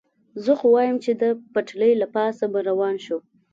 زه خو وایم، چې د پټلۍ له پاسه به روان شو.